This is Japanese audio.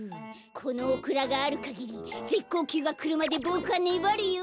このオクラがあるかぎりぜっこうきゅうがくるまでボクはねばるよ！